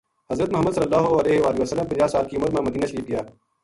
حضرت محمد ﷺ پنجاہ سال کی عمر ما مدینہ شریف گیا۔